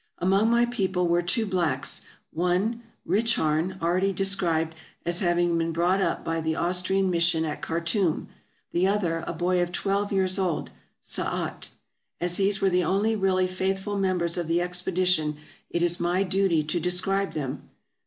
Among my people were two blacks : one, Richarn already described as having been brought up by the Aus trian Mission at Khartoum ; the other, a boy of twelve years old, Saat. As these were the only really faithful mem bers of the expedition, it is my duty to describe them.